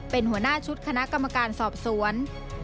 เป็นหัวหน้าชุดคณะกรรมการสอบสวน